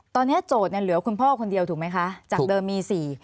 ตอนนี้โจทย์เนี่ยเหลือคุณพ่อคนเดียวถูกไหมคะจากเดิมมีสี่